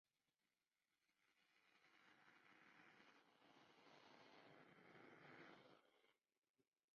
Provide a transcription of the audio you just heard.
Cuando llegó a la capital sobrevivió escribiendo cartas por encargo para personas analfabetas.